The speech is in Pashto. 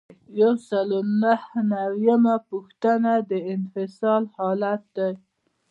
یو سل او نهه نوي یمه پوښتنه د انفصال حالت دی.